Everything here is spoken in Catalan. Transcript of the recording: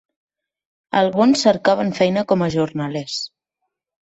Alguns cercaven feina com a jornalers.